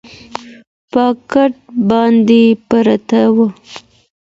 پر کټ باندي پرته وه